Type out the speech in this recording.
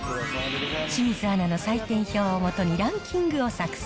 清水アナの採点表をもとにランキングを作成。